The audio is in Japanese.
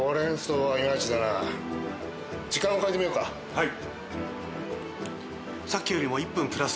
はい。